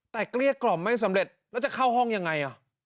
แต่เกลี้ยกล่อมไม่สำเร็จแล้วจะเข้าห้องยังไง